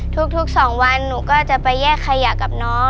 ทุก๒วันหนูก็จะไปแยกขยะกับน้อง